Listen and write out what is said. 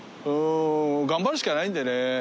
頑張るしかないんでね。